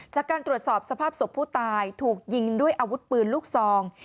จากการตรวจสอบสภาพศพผู้ตายถูกยิงด้วยอาวุธปืนลูกซอง